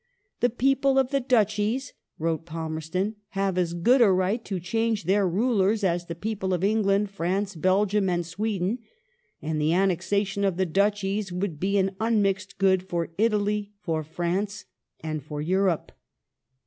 " The people of the Duchies," wrote Palmerston, *' have as good a right to change their Rulers as the people of England, France, Belgium, and Sweden, and the annexation of the Duchies would be an unmixed good for Italy, for France, and for Europe."